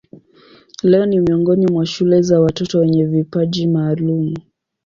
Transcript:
Leo ni miongoni mwa shule za watoto wenye vipaji maalumu.